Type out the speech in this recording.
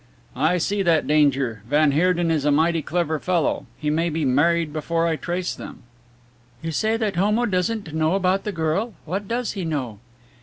"I see that danger van Heerden is a mighty clever fellow. He may be married before I trace them." "You say that Homo doesn't know about the girl, what does he know?"